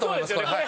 はい。